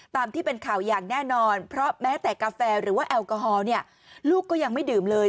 ตามที่เป็นข่าวอย่างแน่นอนเพราะแม้แต่กาแฟหรือว่าแอลกอฮอล์เนี่ยลูกก็ยังไม่ดื่มเลย